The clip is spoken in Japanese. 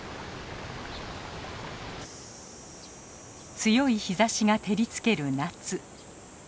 強い日ざしが照りつける夏。